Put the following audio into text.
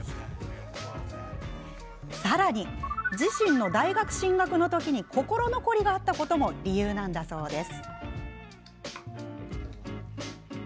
さらに自身の大学進学の時に心残りがあったことも理由なんだそうです。